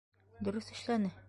Дөрөҫ эшләне.